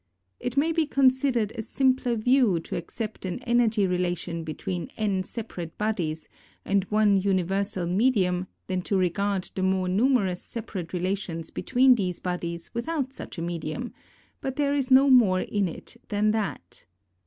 It may be considered a simpler view to accept an energy relation between n separate bodies and one universal medium than to regard the more numerous separate relations between these bodies without such a medium, but there is no more in it than that.